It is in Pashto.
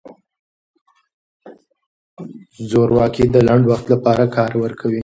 زورواکي د لنډ وخت لپاره کار ورکوي.